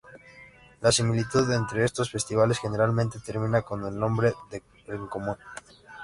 La similitud entre estos festivales generalmente termina con el nombre en común.